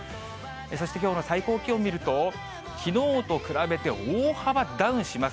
そして、きょうの最高気温見ると、きのうと比べて大幅ダウンします。